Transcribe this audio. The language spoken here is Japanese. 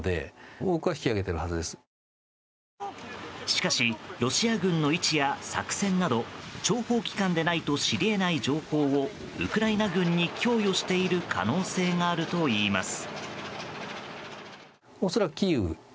しかしロシア軍の位置や作戦など諜報機関でないと知り得ない情報をウクライナ軍に供与している可能性があるといいます。